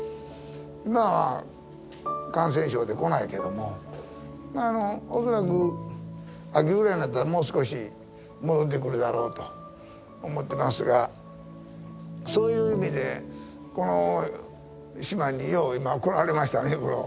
今は感染症で来ないけどもまあ恐らく秋ぐらいになったらもう少し戻ってくるだろうと思ってますがそういう意味でこの島によう今来られましたね。